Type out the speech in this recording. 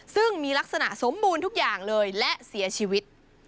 ซึ่งมีลักษณะสมบูรณ์ทุกอย่างเลยและเสียชีวิต